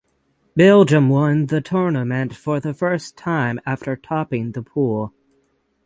Belgium won the tournament for the first time after topping the pool.